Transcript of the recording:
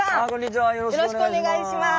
よろしくお願いします。